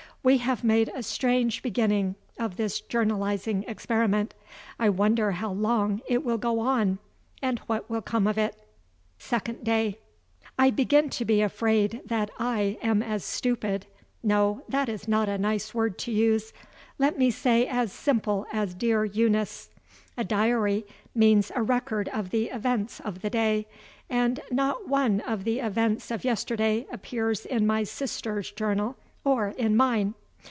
We have made a strange beginning of this journalizing experiment. I wonder how long it will go on, and what will come of it. SECOND DAY. I begin to be afraid that I am as stupid no; that is not a nice word to use let me say as simple as dear Eunice. A diary means a record of the events of the day; and not one of the events of yesterday appears in my sister's journal or in mine.